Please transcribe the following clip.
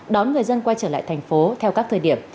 đón người dân quay trở lại thành phố theo các thời điểm